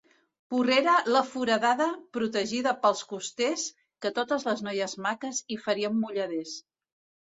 Porrera la Foradada, protegida pels costers, que totes les noies maques hi faríem mulladers.